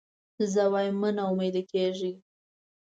زه وایم مه نا امیده کېږی.